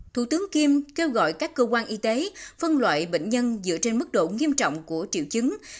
thủ tướng kiêm kêu gọi các cơ quan y tế phân loại bệnh nhân dựa trên mức độ nghiêm trọng của triệu chứng